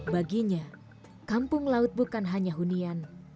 baginya kampung laut bukan hanya hunian